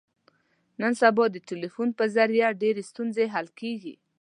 نن سبا د ټلیفون په ذریعه ډېرې ستونزې حل کېږي.